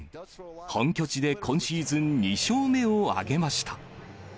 本拠地で今シーズン２勝目を挙げました。